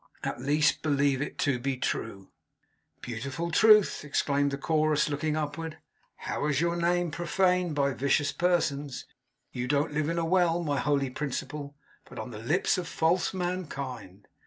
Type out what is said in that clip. At least, believe it to be true.' 'Beautiful Truth!' exclaimed the Chorus, looking upward. 'How is your name profaned by vicious persons! You don't live in a well, my holy principle, but on the lips of false mankind.